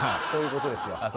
そういうことですよ。